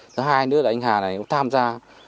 thứ hai nữa là anh hà này cũng tham gia